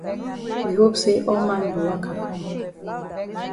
We hope say all man be waka fine.